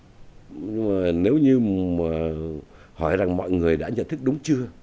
nhưng mà nếu như hỏi rằng mọi người đã nhận thức đúng chưa